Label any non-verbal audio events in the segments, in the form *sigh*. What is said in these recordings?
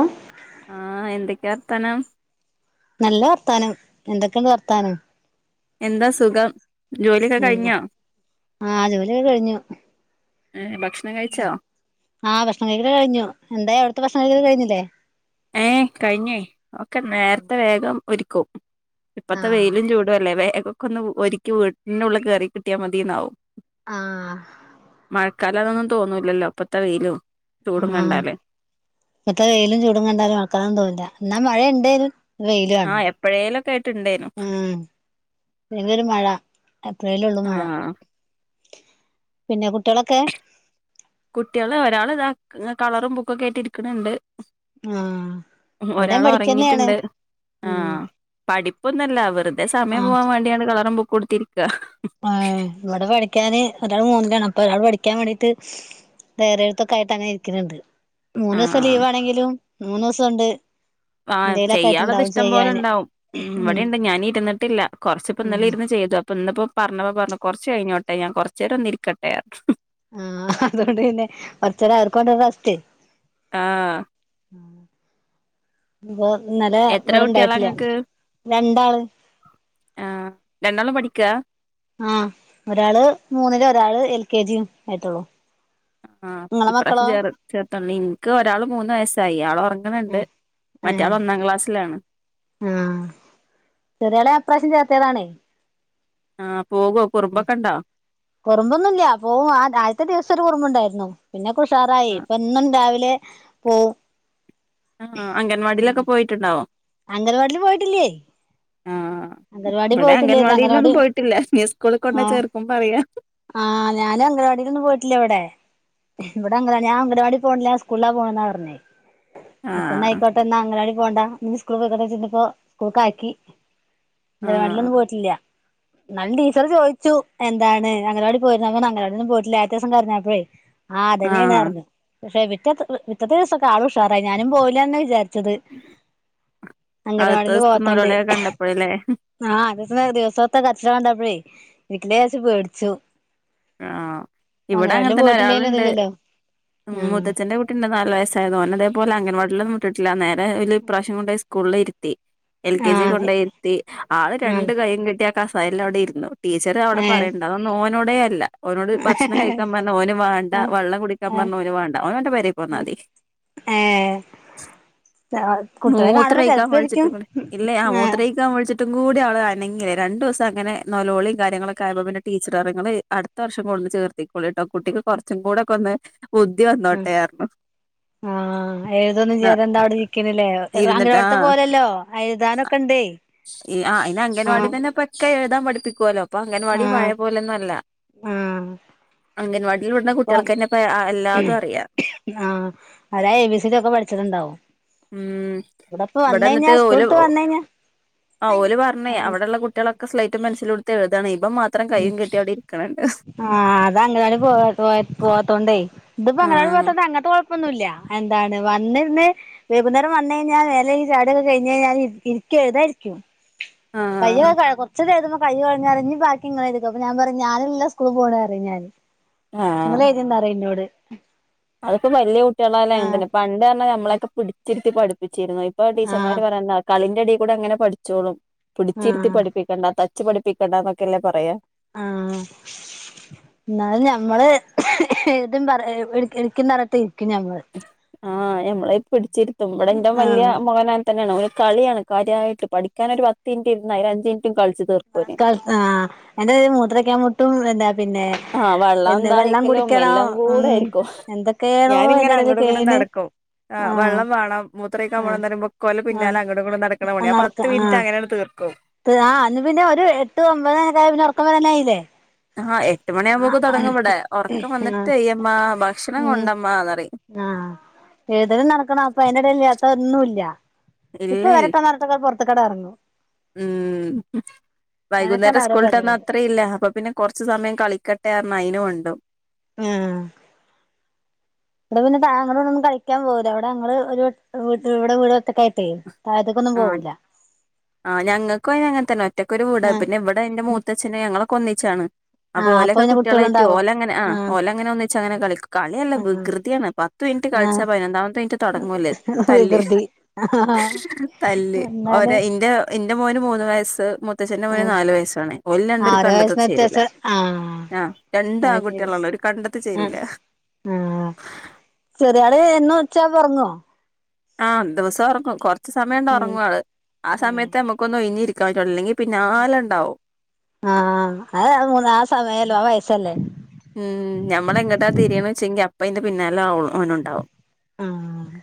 ഏഹ് ആഹ് എന്തൊക്കെയാ വർത്താനം നല്ല വർത്താനം എന്തൊക്കെണ്ട് വർത്താനം എന്താ സുഖം ജോലിയൊക്കെ ഉം കഴിഞ്ഞോ ആഹ് ജോലിഒക്കെ കഴിഞ്ഞു ഏഹ് ഭക്ഷണം കഴിച്ചോ? ആഹ് ഭക്ഷ്ണം കഴിക്കല് കഴിഞ്ഞു എന്തേ അവിടുത്തെ ഭക്ഷ്ം കഴിക്കല് കഴിഞ്ഞില്ലേ? ഏഹ് കഴിഞൊയ് ഒക്കെ നേരത്തെ വേഗം ഒരുക്കും ഇപ്പത്തെ ആഹ് വെയിലും ചൂടു അല്ലേ വേഗം കൊന്ന് ഒരിക്കി വീട്ടിനുള്ള് കയറി കിട്ടിയാ മതിന്നാവും ആഹ് മഴക്കാലാനൊന്നും തോന്നൂല്ലല്ലോ? ഇപ്പത്തെ വെയിലും ചൂടും ഉം കണ്ടാല് പ്പത്ത വെയിലും ചൂടും കണ്ടാല് മഴക്കാലൊന്നും തോന്നില്ല ന്നാ മഴ ണ്ടെയ്നും. വെയിലാണ് ആഹ് എപ്പഴേലൊക്കെ ആയിട്ട് ഇണ്ടേനു ഉം പിന്നൊരു മഴ എപ്പഴേലൊള്ളൂ മഴ ആഹ് പിന്നെ കുട്ടെളൊക്കെ? കുട്ടികള് ഒരാള് താ ക വറും ബുക്കൊക്കെയിട്ട് ഇരിക്കണണ്ട് ആഹ് ഹും ഇവിടേം ഒരാള് പഠിക്കന്നെയാണ് ഒറങ്ങിട്ടുണ്ട് ഉം ആഹ് പഠിപ്പൊന്നല്ല വെറുതെ സമയം ആ പോകാവേണ്ടിയാണ് കളറും ബുക്കും ടുത്തിരിക്കാ ആഹ് ഏഹ് ഇവടെ പഠിക്കാന് ഒരാള് മൂന്നിലാണ് അപ്പൊ ഒരാള് പഠിക്കാൻ വേണ്ടീട്ട് തെരെഴുത്തൊക്കായിട്ട ങ്ങനെ ഇരിക്ക്ണണ്ട് മൂന്നൂസം ആഹ് ലീവാണെങ്കിലും മൂന്നോസം ഒണ്ട് ആഹ് ചെയ്യാള്ളത് ഇഷ്ടം പോലെ ണ്ടാവും ഉം വടെണ്ട് ഞാനിരുന്നിട്ടില്ല കൊറച്ച് പ്പൊ ന്നലെ ആഹ് ഇരുന്ന് ചെയ്തു അപ്പൊ ഇന്നിപ്പോ പറഞ്ഞപ്പ പറഞ്ഞു കൊറച്ചെയ്ഞ്ഞോട്ടെ ഞാൻ കൊറച്ചേരൊന്നിരിക്കട്ടെ ആഹ് അതോണ്ട് പിന്നെ കൊർച്ചേര അവർക്കോണ്ടെ റസ്റ്റ്‌. ആഹ്. ആഹ്. വോ ഇന്നലെ എത്ര കുട്ടികളാ വടെണ്ടായിട്ടില്ല ഇങ്ങക്ക് രണ്ടാള്. ആഹ് രണ്ടാളും പഠിക്ക. ആഹ് ഒരാള് മൂന്നില് ഒരാള് എൽ കെ ജിയും ആയിട്ടൊള്ളൂ. ആഹ് ഇപ്രാശം ചേർ ചേർത്തന്നിൻ ക്കൊരാള് മൂന്ന് വയസ്സായി ആളൊർ ങ്ങ്ണ് ണ്ട് ഏഹ് ഏഹ് മറ്റാള് ഒന്നാം ക്ലാസ്സിലാണ്. ആഹ് ചെറ്യാളെ അപ്രാവശ്യം ചേർത്ത്യതാണെ. ആഹ് പോകോ കുർമ്പൊക്കണ്ടോ. കുറുമ്പൊന്നുല്ല പോവു ആദ് ആദ്യത്തെ ദിവസരു കുറുമ്പുണ്ടായിര്ന്നു. പിന്നെകുഷാറായി ആഹ് ഇപ്പന്നും രാവിലെ പോ ആഹ് അംഗൻവാടിലൊക്കെ പോയിട്ടുണ്ടാവോ. അംഗൽവാടില് പോയിട്ടില്ലേ. ആഹ് അംഗൻവാടി ബടെ പോയിട്ടില്ലേന്ന് അംഗൻവാടി അംഗൻവാടിയിലൊന്നും പോയിട്ടില്ല ഞ് സ്കൂള് കൊണ്ടെ ആഹ് ചേർക്കുമ്പറയാ. ആഹ് ഞാനു അംഗൻവാടിലൊന്നു പോയിട്ടില്ലവടെ. വടെ അങ്കലാ ഞാ അങ്കലവാടി പോൺല ഞാ സ്കൂൾലാ പോണന്നാ പർഞ്ഞേ. ആഹ് അപ്പന്നയ്ക്കോട്ടെന്നാ അങ്ങലാടി പോണ്ട ഞ് സ്കൂൾ പോയിക്കോട്ടെച്ച്ട്ട്പ്പോ സ്കൂൾക്കാക്കി. ആഹ് ങ്കലവാടിലൊന്നു പോയിട്ടില്ല. ന്നാലും ടീച്ചറ് ചോയ്ച്ചു എന്താണ് അങ്ങനവാടി പോയിര്ന്നോ ഞാ പർത്ത് അങ്ങലവാട്യൊന്നും പോയിട്ടില്ല ആദ്യത്തിസം കര്ഞ്ഞപ്പോഴേ. ആഹ് അതന്നെണർഞു പക്ഷെ വിറ്റത്ത് വിറ്റത്തെ ദിവസൊക്കെ ആളുഷാറായി ഞാനും പോവുലന്നെ വിചാര് ച്ചത് അങ്കനവാടില് പോവാത്തോണ്ട്. പൊഴല്ലേ. ആഹ് അദ്യത്തെ ദിവസൊത്തെ കര്ച്ചില് കണ്ടപ്പഴേ ഇരിക്കലേച്ചു പേട്ച്ചു. അ ആഹ് ഇവിടങ്ങൻതന്നെ പോയിട്ടില്ലേലും ഒരാളുണ്ട് ഇതില്ലല്ലോ ഉം ആഹ് മുത്തച്ഛന്റെ കുട്ട ട്ടണ്ട് നാല് വയസ്സായതോൻ അതേപോലങ്കൻവാടിലന്നും വിട്ടിട്ടില്ല നേരെ ഒല് ഇപ്രവശം കൊണ്ടയ് സ്കൂൾല് ഇര്ത്തി. എൽ കെ ജി ആഹ് കൊണ്ടയ് ഇര്ത്തി ആള് രണ്ടു കൈയും കെട്ടി ആ കസാലയൽ അവിടെ ഇരുന്നു ടീച്ചറ് അവിടെ ആഹ് ഏഹ് പറയ അതൊന്നു ഓനോടേ അല്ല. ഓനോട് ഭക്ഷണം കഴിക്കാ പർഞ്ഞ ഓന് വാണ്ട വള്ളം കുടിക്കാൻ പർഞ്ഞ ഓന് വാണ്ട ഓനോന്റെ പെരി പോന്നാതി. ഏഹ് ലാ മൂത്രയ്ക്കാ വ്ൾച്ചിട്ടുങ്കൂടി ഇല്ലേ ആ മൂത്രയ് ആഹ് ക്കാ വിൾച്ചിട്ടും കൂടി ആള് അനങ്ങില രണ്ടുസം അങ്ങനെ നലോളി കാര്യങ്ങളൊക്കെ ആയപ്പ പിന്നെ ടീച്ചററി ങ്ങള് അട് ത്ത് വർഷം കൊട്ന്ന് ചേർത്തിക്കൊളിട്ടോ കുട്ടിക്ക് കൊർച്ചും കൂടെക്കൊന്ന് ബുദ്ധി വന്നോട്ടെ അർഞു. ആഹ് എഴുതൊന്നും ചെയ്യാതെന്താ അവിടെ നിക്കനിലേ. എ ഇരുന്നിട്ട് ആ അങ്കനവാടിത്തെ പോലല്ലോ അഴുതാനൊക്കെണ്ടെ ആഹ്. ക്കെ എഴുതാ പഠിപ്പിക്കോല്ലോ പ്പ അംഗൻവാടി ആഹ് പഴയ പോലൊന്നു അല്ല. ആഹ് അംഗൻവാടിയിൽ വിട്ണ അപ്പം കുട്ട്യൾക്കന്നെപ്പ അ എല്ലാതും അറിയ. ആഹ് അടാ എ ബി സി ഡി ഒക്കെ പഠ്ച്ച്ണ് ണ്ടാവും. ഉം ഇവിടപ്പ വന്നയ്ഞ്ഞാ സ്കൂൾട്ട് വന്നയ്ഞ്ഞാ. ആഹ് ഓല് പർഞ്ഞേ അവിടെള്ള കുട്ട്യളൊക്കെ സ്ലൈറ്റും പെൻസിലുട്ത്ത് എഴുതാണ് ഇബം മാത്രം കൈയും കട്ടിയവിടെ ഇരിക്കണ് ണ്ട് ആഹ് അതങ്കലാടി പോ പോ പോവാത്തോണ്ടേ ആ ത്പ്പങ്ങലാടി പോത്തൊണ്ട് അങ്ങൻത്തെ കൊ പ്പൊന്നുല്ല എന്താണ് വന്നിട്നെ വേകുന്നേരം വന്നയ്ഞ്ഞാ വേലയ്കി ചായൊടൊക്കെ കയ്ഞ്ഞയ്ഞ്ഞ ഞാ ഇര് ഇരിക്ക എഴുതായിരിക്കും. ആ കയ്യോ കഴ കൊർച്ച്ത് എഴുതുമ്പ കയ്യ് കൊഴഞ്ഞറിം ഞ് ബാ ക്കി ങ്ങളെയ്തിക്കൊ അപ്പൊ ഞാപറിം ഞാനല്ല സ്കൂള് പോണറിം ഞാന് ങ്ങളെയ്ത്യൊണ്ടറി ന്നോട്. അത്പ്പ വല്ല്യ കുട്ട്യളായലു അങ്ങൻതന്നെ പണ്ട് അർഞ്ഞാ ഞമ്മളെക്കെ പിട്ച്ചിര്ത്തി പഠ്പ്പിച്ചീര്ന്നു പ്പൊ ആഹ് ടീച്ചർമാര് പറയണ്ത കളിന്റെടി കൂടെങ്ങനെ പഠിച്ചോളും പിടിച്ചിരുത്തി ആഹ് പഠിപ്പിക്കണ്ടാത്ത ച്ച് പഠിപ്പിക്കണ്ട ന്നൊക്കെല്ലേ പറയാ. ആഹ്. ന്നാലു ഞമ്മള് ഏതും പറ ഏ എട് എടുക്കിംന്നർഞ്ട്ട് ഇരിക്കും ഞമ്മള്. ആഹ് ഞമ്മളെ പിടിച്ചിത്തും ഇ്മടെ എന്റെ വലിയ ആഹ് മകനാ തന്നെയാണ് ഒനു കളിയാണ് കാര്യമായിട്ട് പഠിക്കാനൊരു പത്ത് മിനിറ്റ് ഇരുന്ന അ അഞ്ച് മിനിറ്റും കളിച്ച് തീർ കൾ ആ എന്റെത് മൂത്രഴിക്കാൻ മുട്ടും എന്താ പിന്നെ ആഹ് വെള്ളം എന്താ ദാഹിക്കലും കുടിക്കണം എല്ലാം ഉം കൂടെ ആയിരിക്കും എന്തൊക്കേണോ ഞാനിങ്ങനെ അയിന്റെ എടേല് അങ്ങടു ഇങ്ങടും കെയ്യ്ണ് നടക്കും ആഹ് വള്ളം വേണം ആഹ് മൂത്രയ്ക്കപോണം ന്നരുമ്പോ കൊല് പിന്നാല അങ്ങോങ്ങട്ടും നടക്കണ പണിയ പത്ത് മിനിറ്റ് അങ്ങനെയാണ് തീർക്കും ത് ആ, അന്നുപിന്നെ ഒരു എട്ടുഒമ്പതുയൊക്കെയായാ പിന്നെ ഉറക്കം വരനായില്ലേ ആഹ് എട്ടു മണിയാകുമ്പോക്കു തുടങ്ങുമിവിടെ ഉറക്കം വന്നിട്ടു ആഹ് വയ്യമ്മാ ഭക്ഷണം ഉം കൊണ്ടമ്മായെന്നു പറയും ആഹ്, ഏതലും നടക്കണം അപ്പ അതിനിടയിൽ ഇല്ലാത്ത ഒന്നുമില്ല ഇപ്പൊ ഇല്ലേയ് വരട്ടമ്മ പുറത്ത്ക്കട എറങ്ങും. ഉം.. അങ്ങനൊക്കെയാണ് വൈകുന്നേരം അവരെ സ്കൂളുവിട്ടു പരിപാടി വന്നാലത്രയുംമില്ല അപ്പൊ പിന്നെ കുറച്ചു സമയം കളിക്കട്ടെ അമ്മ ആ നയിനുവുമണ്ടും ആഹ് ഇവിടെ പിന്നെ താങ്കളുടെ കൂടെയൊന്നും കളിക്കാൻ പോകില്ല. ഇവിടെ ഞങ്ങളൊരു വീട് *inaudible* ഇവിടെ വീടത്തൊക്കെ് തെ താഴത്തേക്കൊന്നും ആഹ് പോവൂല ആഹ്, ഞങ്ങക്കുഅതിനങ്ങനെ തന്നെയാ ഒറ്റക്കൊരു ആഹ് വീടാപിന്നെ ഇവിടെ എന്റെ മൂത്തച്ഛന് ഞങ്ങളൊക്കെഒന്നിച്ചാണ്. അപ്പൊ ആഹ് ഓലൊക്കെ പിന്നെ കുട്ടികളെയിറ്റു കുട്ടികളുണ്ടാവും ഓലങ്ങനെയാ ആഹ് ഓലങ്ങനെ ഒന്നി ച് അങ്ങനെ കളിക്കും കളിയല്ല ആഹ് വികൃതിയാണ് പത്തുമിനിറ്റുകളിച്ചാ ആഹ് പതിനൊന്നാമത്തെ മിനിറ്റുതുടങ്ങുവല്ലേ തല്ല് വികൃതി ആഹ് തല്ല്, ഓര് എന്നാലും ഇന്റെ എന്റെ മോന് മൂന്ന് വയസ്സ് മൂ മൂത്തച്ഛന്റെ മോന്‌ ആഹ് നാലു വയസ്സാണേ ആഹ് ഓരുരണ്ടത്ത് ഓരോ വയസ്സിന് കണ്ണെടുത്താചേരൂല വ്യത്യാസം ആഹ് അത് ശരി രണ്ടാൺകുട്ടികളുള്ളോര് ആഹ് കണ്ണെടുത്താചേരൂല ആഹ് ചെറിയാളെന്നും ഉച്ചയാകുമ്പോ ഉറങ്ങുവോ ആമ്.. ദിവസം ഉറങ്ങും. ഉം കുറച്ചുസമയമുണ്ടേയുറങ്ങുമവള് ആ ആഹ് സമയത്തെ നമുക്കൊന്നു ഒഴിഞ്ഞിരിക്കാൻ പറ്റുള്ളൂ അല്ലെങ്കിൽ പിന്നാലെയുണ്ടാവും ആഹ് അതു ആമൂന്നാ ആ സമയമല്ലോ ആ വയസല്ലെ ഉം ഞമ്മളെങ്ങോട്ടാ തിരിയണേന്നു വെച്ചു ങ്കി അപ്പയിന്റെ പിന്നാലെ അവൾ അവനുണ്ടാവും ആഹ്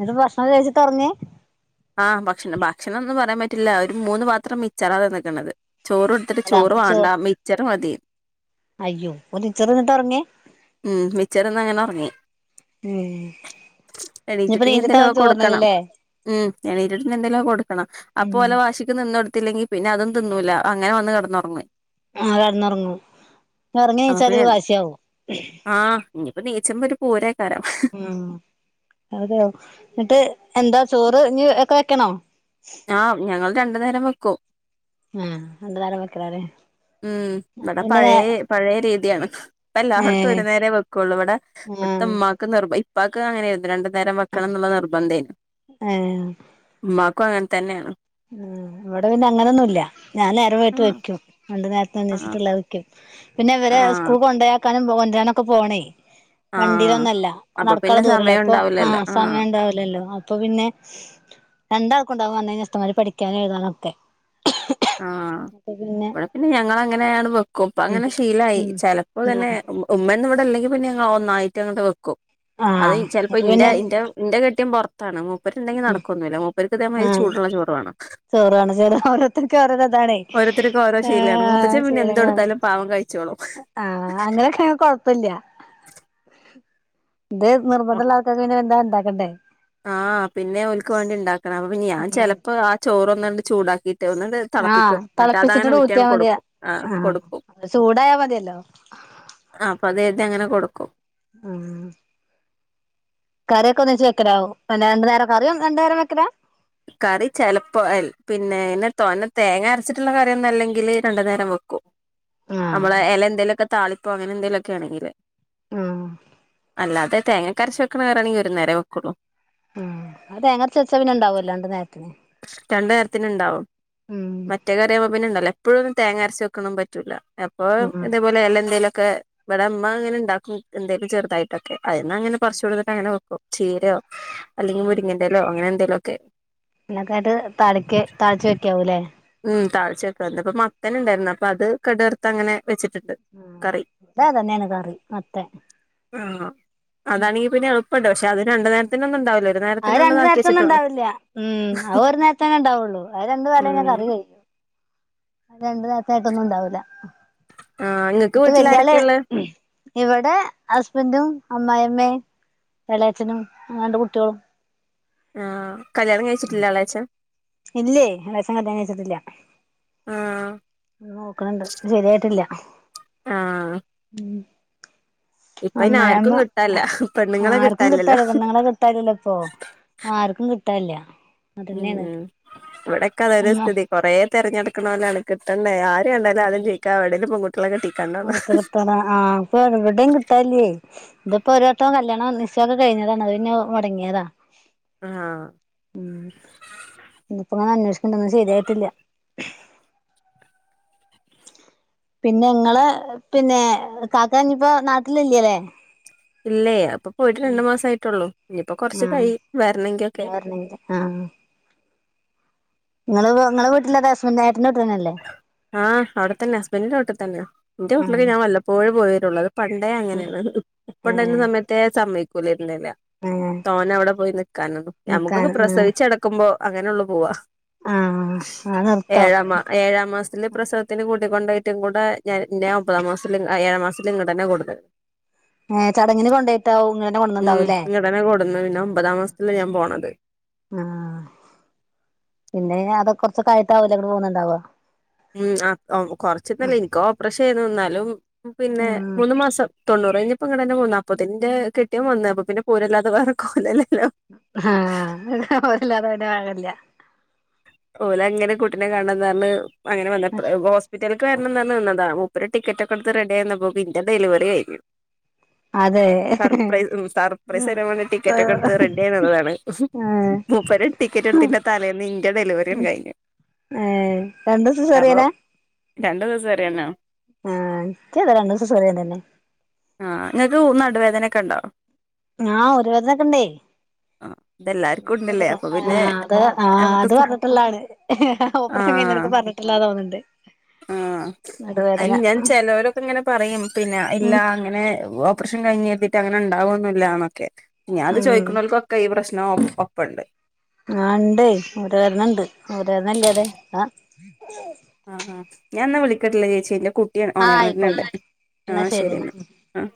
എന്നിട്ടുഭക്ഷണം കഴിച്ചിട്ടായുറങ്ങിയെ ആഹ് ഭക്ഷണം, ഭക്ഷണമെന്നു പറയാൻ പറ്റില്ല ഒരുമൂന്നുപാത്രം മിച്ചറാ തിന്നേക്കണത് ചോറ്കൊടുത്തിട്ടു അതാ ചോറു ചോ വേണ്ടാ മിക്ച്ചറുമതി അയ്യോ, ഓൻ മിക്ച്ചറു തിന്നിട്ടാ ഉറങ്ങിയേ ഉം മിക്ച്ചറു തിന്നങ്ങനെ യുറങ്ങി ഉം ഇനിയിപ്പോ എണീറ്റിട്ടെനി നീച്ചിട്ടാവും ന്തെങ്കിലുമവൾക്കു കൊടുക്കണം ചോറിനല്ലല്ലേ ഉംഎണീറ്റിട്ടിനി ന്തെങ്കിലും കൊടുക്കണം ഉം അപ്പൊ ഓല വാശിക്കു നിന്നുകൊടുത്തില്ലെങ്കിൽ പിന്നെയതും തിന്നൂല അങ്ങനെ വന്നു കിന്നുറങ്ങി ആഹ് കിടന്നുറങ്ങും. ഉറങ്ങി അപ്പൊ പിന്നെ എഴീചാലൊരു വാശിയാവും ആഹ് ഇനിയിപ്പോ ദേച്ചം വരും പൂരെ കരം ഉം അതെ എന്നിട്ട് എന്താ ചോറ് ഇനിയൊക്കെ വെക്കണോ ആഹ് ഞങ്ങൾ രണ്ടു നേരം വെക്കും ഉം രണ്ടുനേരം, വെക്കലാണ് ഉം ഇവിടെ പഴേ, പഴേ രീതിയാണ് ഇപ്പയെല്ലായിടത്തും ഏഹ് ഒരു നേരവേ വെക്കുള്ളൂ, ഇവിടെ ഇവിടുത്തെ ആഹ് ഉമ്മാക്ക് നിർബ ഇപ്പാക്കുമങ്ങനെയായിരുന്നു രണ്ടു നേരം വെക്കണമെന്നുള്ള നിർബന്ധേനെ ഏഹ് ഉമ്മാക്കുമങ്ങനെ തന്നെയാണ്. ഉം ഇവിടെ പിന്നെയങ്ങനെയൊന്നുമി ല്ല. ഞാൻ നേരവ്വയിട്ടു ആഹ് വെക്കും. രണ്ടു നേരത്തെ ആഹ് അനുസരിച്ചിട്ടുള്ളത് ക്കും ആഹ് പിന്നയിവരെസ്കൂൾ കൊണ്ടെയാക്കാനും കൊണ്ടുവരാനുമൊക്കെ പോണേ ആഹ് വണ്ടിയിലൊന്നുമല്ല, അപ്പൊ പിന്നെ നടക്കാനുള്ളദൂരമുള്ളൂ സമയം അപ്പൊ ഉണ്ടാവൂലല്ലോ ആഹ് സമയമുണ്ടാവും ഇല്ലല്ലോ, അപ്പൊ പിന്നെ രണ്ടാൾക്കു മുണ്ടാക്കുവന്നേനെ ഇഷ്ടമാതിരി പഠിക്കാനും എഴുതാനുമൊക്കെ ആഹ് ഇവിടെ പിന്നെ ഞങ്ങളങ്ങനെയാണ് വെക്കും. ഉം ഇപ്പമങ്ങനെ ശീലമായി ഉം ചിലപ്പോ തന്നെ ആഹ് ഉമ്മയൊന്നുമിവിടെ ഇല്ലെങ്കിൽ പിന്നെ ഞങ്ങളൊന്നായിട്ടങ്ങട്ടുവയ്ക്കും. ആഹ് അതുചിലപ്പോ അപ്പൊ ഇന്റെ പിന്നെ യിന്റെ ഇന്റെ കെട്ടിയോൻ പുറത്താണ്, മൂപ്പരുണ്ടെങ്കിൽ നടക്കൊന്നുമില്ല, മൂപ്പർക്കു ഇതേ മാതിരി ചൂടുള്ള ചോറുവേണം. ചോറുവേണം, ചോറ് ഓരോരുത്തർക്ക് ഓരോ യിതാണേ ഓരോരുത്തർക്കോരോ ശീലമാണ്, മുത്തച്ഛൻ പിന്നെ എന്തുകൊടുത്താലും പാവം കഴിച്ചോളും. ആഹ് അങ്ങനൊയൊക്കെയാണേൽ കൊഴപ്പമില്ല. ഇതേ നിർബന്ധമുള്ള ആൾക്കാർക്കു പിന്നെയെന്താ ഉണ്ടാക്കേണ്ടേ ആഹ പിന്നെ ഒക്ക് വേണ്ടി ഉണ്ടാക്കണം അപ്പ ഞാൻ ഉം ചെലപ്പോ ആ ചോറൊന്നണ്ട് ചൂടാക്കീട്ട് ഒന്നണ്ട് ആഹ് തളപ്പിക്കും തിളപ്പിച്ചിട്ട് ന്നിട്ട്അതങ്ങെഊറ്റി അങ്ങ ഊറ്റിയാ മതിയാ കൊടുക്കും ആ കൊടുക്കും. ആഹ് ചൂടായാ മതിയല്ലോ ആ അപ്പൊ അത്ഴുതി അങ്ങനെ കൊടുക്കും. ഉ കറിയൊക്കെ ഒന്നിച്ച് വെക്കലാവോ അല്ല രണ്ട നേരം കറിയ രണ്ട നേരം വെക്കലാ കറി ചെലപ്പോ പിന്നെെ തേങ്ങ അരച്ചിട്ടുള്ള കറി ഒന്നും അല്ലെങ്കിൽ രണ്ടു നേരം വെക്കൂ ആഹ് നമ്മളുയില എന്തെലുമൊക്കെ താളിപ്പോയങ്ങനെ എന്തേലുമൊക്കെ ആണെങ്കില് ആഹ അല്ലതെ തങ്ങക്കരച്ച വെക്കണ കറിയാണെങ്കിൽ ഒരു നേര വെക്കള്ളു ഉ അത് തേങ്ങ അരച്ച് വെച്ചാലുണ്ടാവല്ലോ രണ്ട് നേരത്തിന് രണ്ട്നേരത്തിന ഉണ്ടാവും ഉം മറ്റേ കറി ആകുമ്പോ പിന്നെ ഉണ്ടാവ എപ്പളുഒന്നും തേങ്ങ അരച്ച വെക്കണം പറ്റൂല. അപ്പൊ ആഹ് ഇതുപോലെ എല എന്തെേലുംക്കെ ഇവിടെ അമ്മ അങ്ങനെ ഉണ്ടാക്കും എന്തേലും ചെറുയിട്ടൊക്കെ അയിന്ന് അങ്ങനെ പറച്ചു കൊടുത്തിട്ട്ങ്ങനെ വെക്കും ചീരയോ അല്ലെങ്ക മുരിങ്ങന്റെലെ അങ്ങനെന്തെങ്കിലൊക്കെ. എന്നക്കായിട്ട് താളിതാളിച്ച് വെക്കാവൂല്ലേ? ഉം താളിചയക്കെ ഇന്ന്പ്പോ അപ്പൊ മത്തന ഉണ്ടായിരുന്നു അപ്പൊ അത് അങ്ങനെകടർത്ത് അങ്ങനെ വെച്ചിട്ടുണ്ട്. ആഹ കറി അതെ അതന്നെ ആണ്‌ കറി മത്തൻ ആഹ അതാണെങ്കി പിന്നെ എ ട്ട പക്ഷെ അത് രണ്ടു നേരത്തിന ഒന്നും ഉണ്ടാവില്ല ഒരു അത് നേരത്തിനള്ളത് രണ്ടു ആക്കി വെച്ചിട്ടുള്ളൂ ഉണ്ടാവുള്ളു അത് രണ്ട പാരല് കയ്ഞ്ഞാ ഉം കറികയു രണ്ട് താത്തായ്ട്ടൊന്നുണ്ടാവൂല. ആഹ് ഇങ്ങക്ക് ന്നട്ട് വീട്ടിൽ വല്യാള് ആരൊക്കെയുള്ളെ ഇവിടെ ഹസ്ബൻറും അമ്മായിമ്മേ എളയച്ചനും രണ്ട് കുട്ടിളും. ആഹ് കല്യാണം കഴി ഇല്ലേ എളേച്ചൻ കല്യാണം കയ്ച്ചിട്ടില്ല. ആ നോക്കണണ്ട് ശരിയായിട്ടില്ല ആഹ് ഉ ഇപ്പ അയിന് അമ്മായമ്മ ആർക്കും കിട്ടാനില്ല പെണ്ണുങ്ങളെ ആർക്കും കിട്ടാനില്ലല്ലോ കിട്ടാല പെണ്ണുങ്ങളെ കിട്ട കിട്ടാലല്ല ഇപ്പൊ ആർക്കും കിട്ടാല്ല. ഉം ഇവിടെൊക്കെ അതന്നെ ഉമ്മ സ്ഥിതി കൊറെ തെരഞ്ഞെടുക്ക്‌ണോ ലാണ്കിട്ടണ്ടേ ആ ണ്ടാലാദ്യം ചോയ്ക്കാ എവ്ടേലും പെങ്കുട്ട്യാളെ കെട്ടി എങ്ങട്ട് കിട്ടാനാ ആ ഇപ്പോഎവിടെ കിട്ടാല്ലേ ഇതിപ്പോ ഒരുട്ടം കല്യാണം നിശ്ചയക്കെ കഴിഞ്ഞതാണ്അത് പിന്ന മൊടങ്ങിതാ ആഹ ഉ ഇിപ്പ അങ്ങനെ അന്വേഷിക്കണ്ട ഒന്നും ശെരിആയിട്ടില്ല. പിന്നെ ങ്ങള് പിന്നെ കാക്കനി ഇപ്പോ നാട്ടില് ഇല്ലലെ ഇല്ലേ അപ്പൊ പോയിട്ട് രണ്ടു മാസം ആയിട്ടുള്ളൂ ഇനിയിപ്പോ കൊറച്ച് കഴി വരണങ്കിലൊക്കെ ആഹ ങ്ങളെ വീട്ട്ലെ *unintelligible* ആഹ് അവിടെത്തന്നെ ഹസ്ബൻഡിന്റെറെീട്ടിൽ തന്നെയാ എന്റെ വീട്ടിലൊക്കെ ആഹ് ഞാൻ വല്ലപ്പോഴ പോയിവരുള്ള- പണ്ടേ ഉം അങ്ങനെയാണ് ഏഹ് ഇപ്പണ്ടെയ്ന സമയത്തെന്നെ സമ്മയ്ക്കൂല ഏഹ് തോന അവിടെ പോയി നിക്കാൻ നിക്കാനന്നുംഞമ്മക്കൊക്കെ ആഹ് പ്രസവിച്ചടക്കുമ്പോ അങ്ങനെ ഉള്ളു പോവാ ആഹ് ആ നിർത്തം ഏഴമ ഏഴാം മാസത്തില പ്രസവത്തിന് കൂട്ടിക്കൊണ്ട ഏറ്റും കൂടെ ഞാൻ ഒമ്പതാം മാസത്തി ഏഴാം മാസത്തില ഇങ്ങട്ട് തന്നെ കൊടുന്ന് ഏർ ചടങ്ങിന് കൊണ്ടോയിട്ടാവും ഇങ്ങനെന്നെ ഉം കൊണ്ടന്നണ്ടാവുംല്ലേ? ഇങ്ങട്ടന്നെ കൊടുന്ന് പിന്നെ ഒമ്പതാം മാസത്തില ഞാൻ പോണത് ആ പിന്നെ അത കൊറച്ച് ക്കെ ആയിട്ടാവും ലെ ഇങ്ങട്ട് പോന്നുണ്ടാവ ഉം ആഹ് ഒ കൊർച്ച്ന്നല്ല ഇൻക്ക് ഓപ്പ്രേഷെയ്ന്നു ഇന്നാലും പിന്നെ ഉം മൂന്നു മാസം തൊണ്ണൂറയ്ഞ്ഞപ്പോ ഇങ്ങടെന്നെ പോന്ന് അപ്പോത്തിന്ന്ൻ്റെ കെട്ടിയോൻ വന്ന് അപ്പ പിന്നെ പോരല്ലാതെ വേറെ കൊലല്ലല്ലോ? ഹാ അങ്ങനെ വല്ലാതെ വിടാളില്ല ഓലങ്ങനെ കുട്ടിനെ കാണ്ണന്നർഞ്ഞ് അങ്ങനെ വന്ന എപ്ലേ ഹോസ് പിറ്റൽക്ക് വര്ണന്നർഞ്ഞ് നിന്നതാ മൂപ്പര് ടിക്കറ്റൊക്കെട്ത്ത് റെഡിയായ് നിന്നപ്പോ ഇന്റെ ഡെലിവെറി കയ്ഞ്ഞു അതെ സർപ്രൈ ഉം സർപ്രൈസരാൻ വേണ്ടി ടിക്കറ്റ് ഒക്കെട്ത്ത് റെഡ്ഡ്യെയ് നിന്നതാണ് ആഹ് മൂപ്പര് ടിക്കറ്റിട്ത്തീൻ്റെ തലേന്ന് ഇന്റെ ഡെലിവെ ഉം ഏഹ് രണ്ടു സിസേറ്യെനാ രണ്ടു സിസേറ്യനാ ആഹ് ഇക്കു അതെ രണ്ടും സിസേറിയൻ തന്നെ ആഹ് നിങ്ങൾക്ക് ഉ നടുവേദനെക്കെണ്ടോ ങ്ങാ ഊരവേദനെക്കെണ്ടേ ആഹ് ഇതെല്ലാർക്കും ഉണ്ടല്ലേ അപ്പൊ പിന്നെ ആഹ് അത് ആഹ് നമുക്ക് അത് സ പർഞ്ഞിട്ടാള്ളാണ് ഓപ്രേഷൻ ആഹ് കൈഞ്ഞോര്ക്ക് പർഞ്ഞട്ടിള്ളാ തോന്നിണ്ട് ആഹ് അ ഞൻ ചെലോരൊക്കെ ഇങ്ങനെ പറയും പിന്നെ ഉം ഇല്ലാ അങ്ങനെ ഓപ്രഷൻ കൈഞ്ഞേര്തീട്ട് അങ്ങനണ്ടാവൊന്നുല്ലാ ന്നൊക്കെ ഞാൻത് ഉം ചോയ്ക്ക്ണോൽക്കൊക്കെ ഈ പ്രശ്നം ഒ ഒപ്പണ്ട് ആഹ് ഇണ്ട് ഊരവേദനണ്ട് ഊരവേദനില്ല്യാതെ അ ആഹ് ആഹ് ഞാൻന്നാ വിളിക്കട്ലാ ചേച്ച്യേ ന്റെ കുട്ടി ഒ ആഹ് ഒണരുന്ന്ണ്ട് ആയിക്കോട്ടെ എന്നാ ആഹ് ശരി എന്നാ ശരിന്നാ ആഹ്